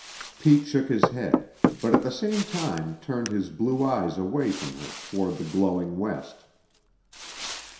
Pete shook his head, but at the same time turned his blue eyes away from her toward the glowing west.